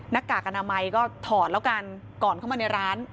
กากอนามัยก็ถอดแล้วกันก่อนเข้ามาในร้าน